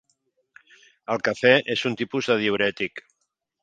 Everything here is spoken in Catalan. El cafè és un tipus de diürètic.